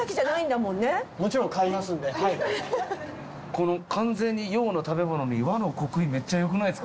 この完全に洋の食べ物に和の刻印めっちゃよくないですか？